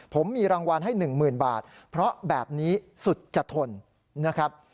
ผมมีรางวัลให้๑๐๐๐บาทเพราะแบบนี้สุดจะทนนะครับ